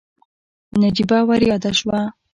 نجيبه ورياده شوه.